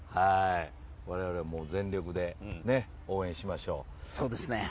我々も全力で応援しましょう。